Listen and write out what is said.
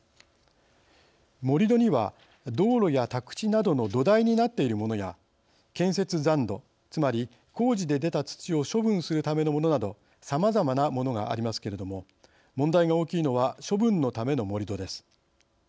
盛り土には道路や宅地などの土台になっているものや建設残土、つまり工事で出た土を処分するためのものなどさまざまなものがありますけれども問題が大きいのは処分のための盛り土です。